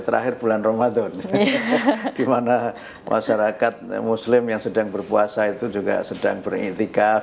terakhir bulan ramadan di mana masyarakat muslim yang sedang berpuasa itu juga sedang beriktikaf